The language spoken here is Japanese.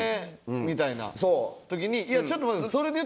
みたいな時に「いやちょっと待ってください